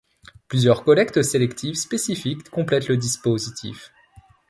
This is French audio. Plusieurs collectes sélectives spécifiques complètent le dispositif.